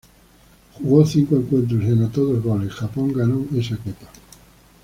Jugó cinco encuentros y anotó dos goles, Japón ganó esa copa.